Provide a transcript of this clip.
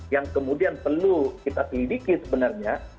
yang kemudian perlu kita selidiki sebenarnya